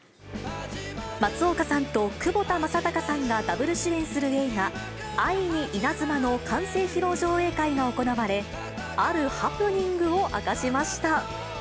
松岡さんと窪田正孝さんがダブル主演する映画、愛にイナズマの完成披露上映会が行われ、あるハプニングを明かしました。